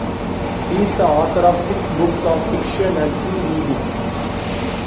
He is the author of six books of fiction and two ebooks.